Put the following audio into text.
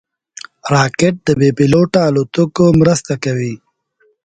راکټ د بېپيلوټه الوتکو مرسته کوي